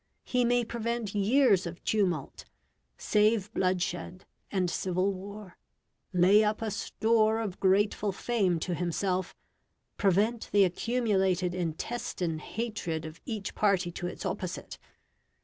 He may prevent years of tumult, save bloodshed and civil war, lay up a store of grateful fame to himself, prevent the accumulated intestine hatred of each party to its opposite.